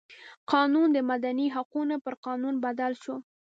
قانون د مدني حقونو پر قانون بدل شو.